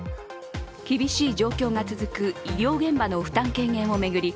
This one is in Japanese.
厳しい状況が続く医療現場の負担軽減を巡り